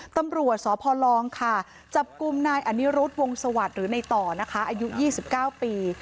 ตำรวจสพลค่ะจับกลุ่มนายอนิรุธวงศวรรค์หรือในต่อนะคะอายุ๒๙ปี